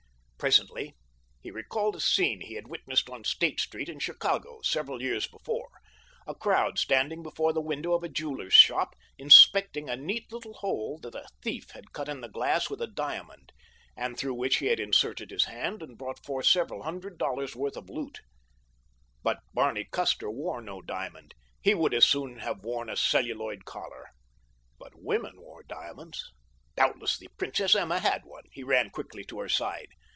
Presently he recalled a scene he had witnessed on State Street in Chicago several years before—a crowd standing before the window of a jeweler's shop inspecting a neat little hole that a thief had cut in the glass with a diamond and through which he had inserted his hand and brought forth several hundred dollars worth of loot. But Barney Custer wore no diamond—he would as soon have worn a celluloid collar. But women wore diamonds. Doubtless the Princess Emma had one. He ran quickly to her side.